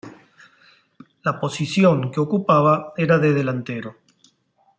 La posición que ocupaba era de delantero.